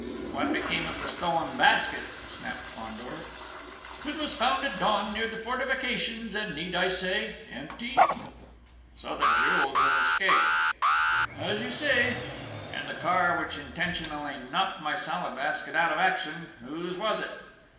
"What became of the stolen Basket?" snapped Fandor. "It was found at dawn near the fortifications, and, need I say empty!" "So that Jules has escaped?" "As you say!..." "And the car which intentionally knocked my Salad Basket out of action whose was it?"